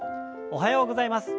おはようございます。